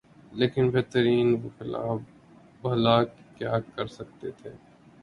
لیکن بہترین وکلا بھلا کیا کر سکتے تھے۔